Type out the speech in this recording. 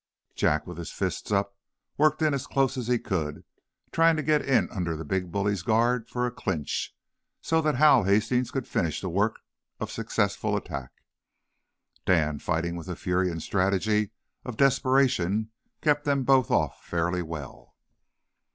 Jack, with his fists up, worked in as close as he could, trying to get in under the big bully's guard for a clinch, so that Hal Hastings could finish the work of successful attack. Dan, fighting with the fury and strategy of desperation, kept them both off fairly well.